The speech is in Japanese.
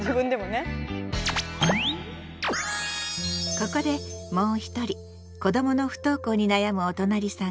ここでもう一人子どもの不登校に悩むおとなりさん